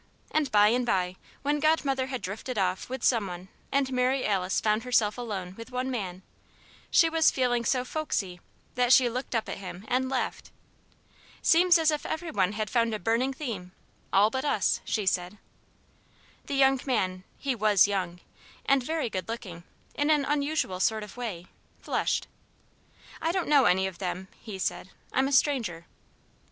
And by and by when Godmother had drifted off with some one and Mary Alice found herself alone with one man, she was feeling so "folksy" that she looked up at him and laughed. "Seems as if every one had found a 'burning theme' all but us!" she said. The young man he was young, and very good looking, in an unusual sort of way flushed. "I don't know any of them," he said; "I'm a stranger."